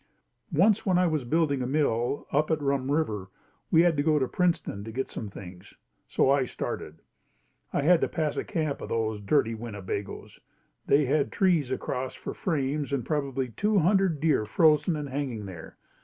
Once when I was building a mill up at Rum River we had to go to Princeton to get some things, so I started. I had to pass a camp of those dirty Winnebagoes. They had trees across for frames and probably two hundred deer frozen and hanging there.